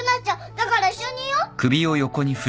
だから一緒にいよう。